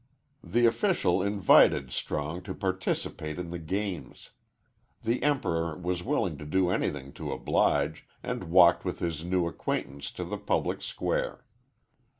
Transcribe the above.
The official invited Strong to participate in the games. The Emperor was willing to do anything to oblige, and walked with his new acquaintance to the public square.